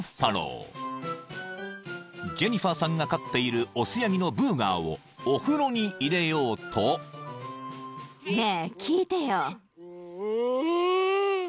［ジェニファーさんが飼っている雄ヤギのブーガーをお風呂に入れようと］ねえ。